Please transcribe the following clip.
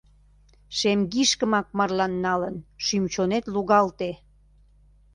Шемгишкымак марлан налын, шӱм-чонет лугалте.